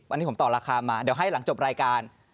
วันนี้ผมต่อราคามาเดี๋ยวให้หลังจบรายการ